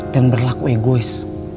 dan berlaku egois